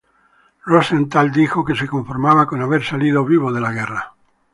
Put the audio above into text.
Rosenthal dijo que se conformaba con haber salido vivo de la guerra.